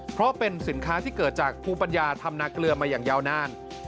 เพราะเป็นสินค้าที่เกิดจากภูมิปัญญาทำนาเกลือมาอย่างยาวนาน